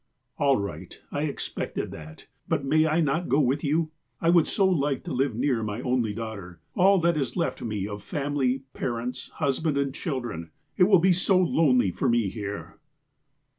''' All right. I expected that. But may I not go with you ? I would so like to live near my only daughter — all that is left me of family, parents, husband, and chil dren. It will be so lonely for me here.'